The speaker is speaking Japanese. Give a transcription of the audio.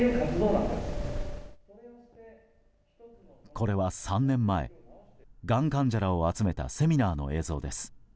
これは３年前、がん患者らを集めたセミナーの映像です。